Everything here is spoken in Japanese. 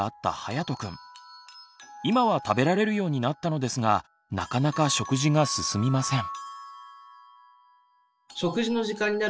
今は食べられるようになったのですがなかなか食事が進みません。